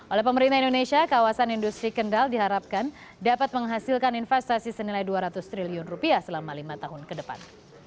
oleh pemerintah indonesia kawasan industri kendal diharapkan dapat menghasilkan investasi senilai dua ratus triliun rupiah selama lima tahun ke depan